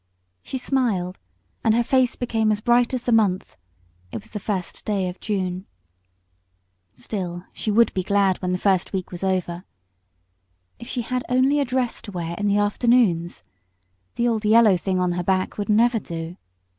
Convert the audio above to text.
She smiled, and her face became as bright as the month: it was the first day of June. Still she would be glad when the first week was over. If she had only a dress to wear in the afternoons! The old yellow thing on her back would never do.